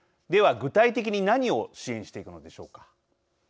具体的に何を支援していくのでしょうか。